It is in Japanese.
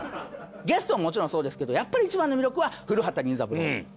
ゲストももちろんそうですけどやっぱりいちばんの魅力は古畑任三郎。